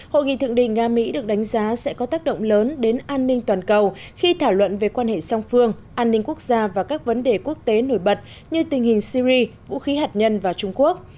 hội nghị thượng đỉnh nga mỹ được đánh giá sẽ có tác động lớn đến an ninh toàn cầu khi thảo luận về quan hệ song phương an ninh quốc gia và các vấn đề quốc tế nổi bật như tình hình syri vũ khí hạt nhân và trung quốc